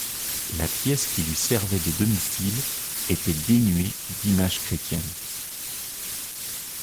La pièce qui lui servait de domicile était dénuée d'images chrétiennes.